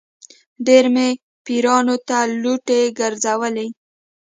ډېر مې پیرانو ته لوټې ګرځولې.